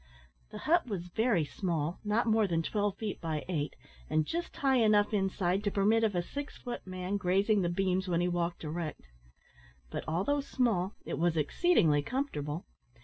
The hut was very small not more than twelve feet by eight, and just high enough inside to permit of a six foot man grazing the beams when he walked erect. But, although small, it was exceedingly comfortable.